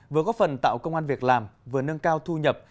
vừa góp phần tạo công an việc làm vừa nâng cao thu nhập